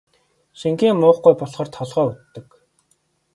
Шингэн юм уухгүй болохоор толгой өвдөг.